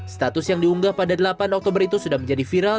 status yang diunggah pada delapan oktober itu sudah menjadi viral